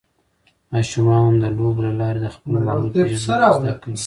ماشومان د لوبو له لارې د خپل ماحول پېژندنه زده کوي.